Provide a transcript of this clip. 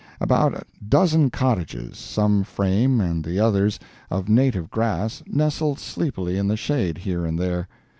About a dozen cottages, some frame and the others of native grass, nestled sleepily in the shade here and there.